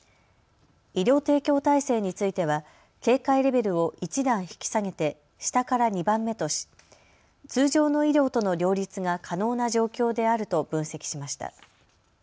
医療提供体制については警戒レベルを１段引き下げて下から２番目とし通常の医療との両立が可能な状況であると分析しました。